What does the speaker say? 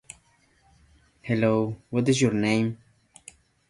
He competed for the New York Lightning on the Amateur Athletic Union circuit.